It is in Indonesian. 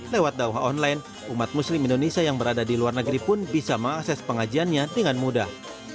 lewat dakwah online umat muslim indonesia yang berada di luar negeri pun bisa mengakses pengajiannya dengan mudah